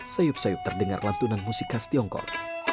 sayup sayup terdengar lantunan musik khas tiongkok